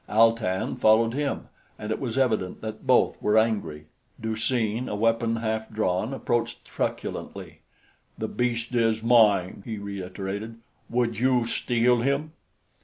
Al tan followed him, and it was evident that both were angry. Du seen, a weapon half drawn, approached truculently. "The beast is mine," he reiterated. "Would you steal him?"